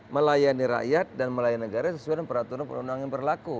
melayani rakyat dan melayani negara sesuai dengan peraturan perundangan yang berlaku